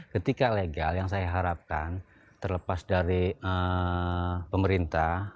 ketika legal yang saya harapkan terlepas dari pemerintah